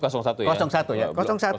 sorry itu satu ya